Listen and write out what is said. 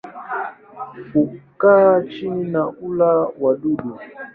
Hukaa chini na hula wadudu.